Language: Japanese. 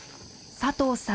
佐藤さん